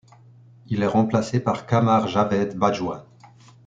Il est remplacé par Qamar Javed Bajwa.